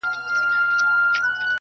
• نور یې هیري کړې نارې د ګوروانانو -